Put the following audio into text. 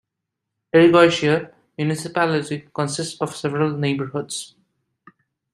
Errigoitia municipality consists of several neighborhoods.